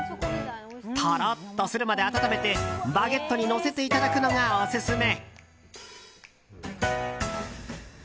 トロッとするまで温めてバゲットにのせていただくのがオススメ。